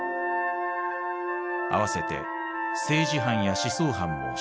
併せて政治犯や思想犯も釈放。